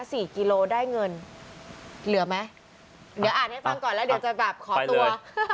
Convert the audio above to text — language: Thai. กิโลได้เงินเหลือไหมเดี๋ยวอ่านให้ฟังก่อนแล้วเดี๋ยวจะแบบขอตัว